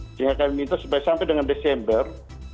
sehingga kami minta supaya sampai dengan desember